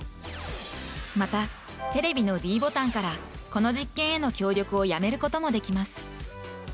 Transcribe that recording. また、テレビのｄボタンからこの実験への協力をやめることもできます。